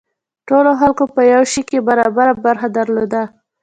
ټولو خلکو په یو شي کې برابره برخه درلوده.